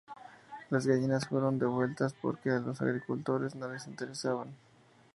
Las gallinas fueron devueltas, porque a los agricultores no les interesaban.